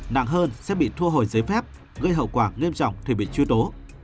nặng hơn sẽ bị thua hồi giới phép gây hậu quả nghiêm trọng thì bị truy tố